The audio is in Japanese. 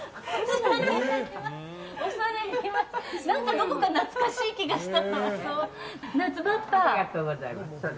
どこか懐かしい気がした。